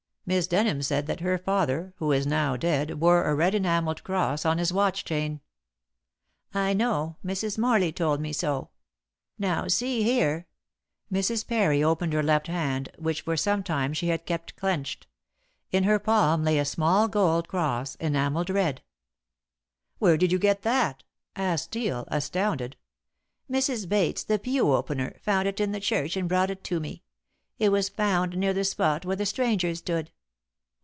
Miss Denham said that her father who is now dead wore a red enamelled cross on his watch chain." "I know. Mrs. Morley told me so. Now see here." Mrs. Parry opened her left hand, which for some time she had kept clenched. In her palm lay a small gold cross enamelled red. "Where did you get that?" asked Steel, astounded. "Mrs. Bates, the pew opener, found it in the church and brought it to me. It was found near the spot where the stranger stood."